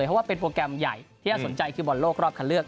เพราะว่าเป็นโปรแกรมใหญ่ที่น่าสนใจคือบอลโลกรอบคันเลือก